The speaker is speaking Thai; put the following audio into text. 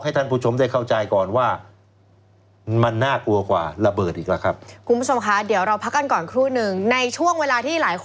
กิ๊กกิ๊กกิ๊กกิ๊กกิ๊กกิ๊กกิ๊กกิ๊ก